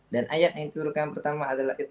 dan ayat yang diturunkan pertama adalah iqra'